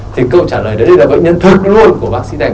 thì câu trả lời đấy là bệnh nhân thật luôn của bác sĩ thành